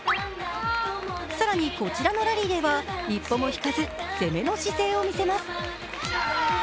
更に、こちらのラリーでは一歩も引かず、攻めの姿勢を示します。